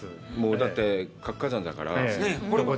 だって活火山だから。